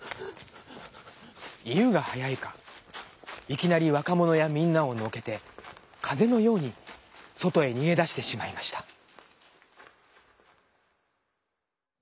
いうがはやいかいきなりわかものやみんなをのけてかぜのようにそとへにげだしてしまいました。